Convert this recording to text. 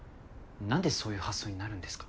なんでそういう発想になるんですか？